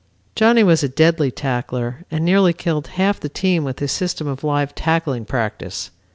Johnny was a deadly tackler and nearly killed half the team with his system of live tackling practice.